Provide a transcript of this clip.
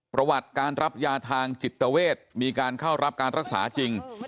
ประวัติการรับยาทางจิตเวทมีการเข้ารับการรักษาจริง